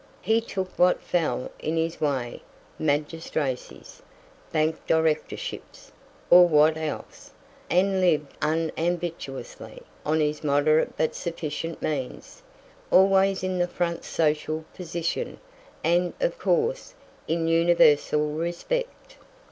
He took what fell in his way magistracies, bank directorships, or what else, and lived unambitiously on his moderate but sufficient means, always in the front social position, and, of course, in universal respect.